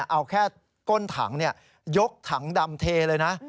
เอาแค่ก้นถังยกถังดำเทเลยนะ